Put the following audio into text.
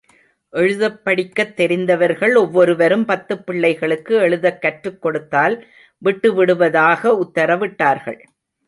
எழுதப் படிக்கத் தெரிந்தவர்கள் ஒவ்வொருவரும் பத்துப் பிள்ளைகளுக்கு எழுதக் கற்றுக் கொடுத்தால், விட்டு விடுவதாக உத்தரவிட்டார்கள்.